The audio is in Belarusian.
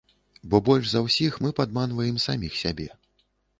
Бо больш за ўсіх, мы падманваем саміх сябе.